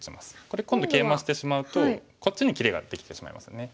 これ今度ケイマしてしまうとこっちに切りができてしまいますね。